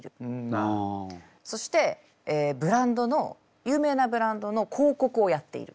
そしてブランドの有名なブランドの広告をやっている。